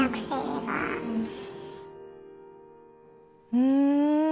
うん。